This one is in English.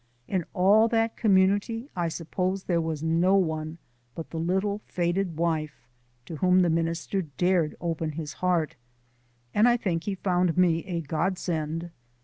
In all that community I suppose there was no one but the little faded wife to whom the minister dared open his heart, and I think he found me a godsend.